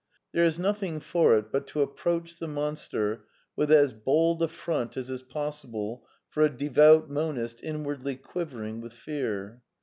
There is nothing for it but to approach the monster with as bold a front as is possible for a devout monist inwardly quivering with fear.